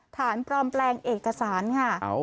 ฐานปลอมแปลงเอกสารค่ะ